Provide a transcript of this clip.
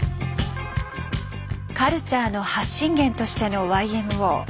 カルチャーの発信源としてのＹＭＯ。